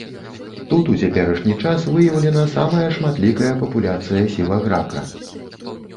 Тут у цяперашні час выяўлена самая шматлікая папуляцыя сіваграка.